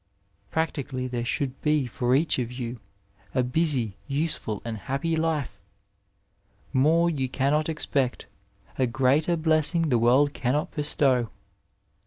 Practically there should be for each of you a busy, useful, and happy life ; more you cannot expect ; a greater bles sing the world cannot bestow.